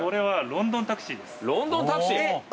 ロンドンタクシー。